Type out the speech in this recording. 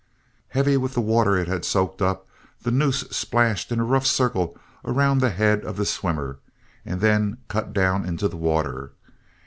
Heavy with the water it had soaked up the noose splashed in a rough circle around the head of the swimmer and then cut down into the water.